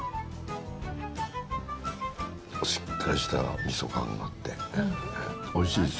しっかりした味噌感があって、おいしいですよ。